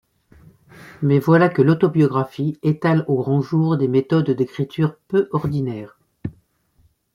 Mais voilà que l'autobiographie étale au grand jour des méthodes d'écriture peu ordinaires.